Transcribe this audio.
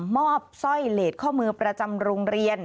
สร้อยเลสข้อมือประจำโรงเรียน